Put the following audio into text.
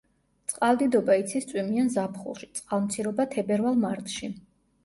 წყალდიდობა იცის წვიმიან ზაფხულში, წყალმცირობა თებერვალ-მარტში.